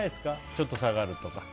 ちょっと下がるとか。